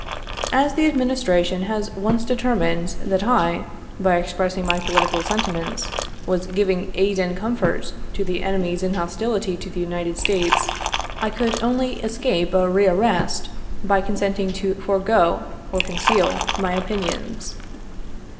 As the Administration has once de termined that I, by expressing my political sentiments, was giving ' aid and comfort to the enemies in hostility to the United States/ I could 79 only escape a re arrest by consenting to forego or conceal my opinions.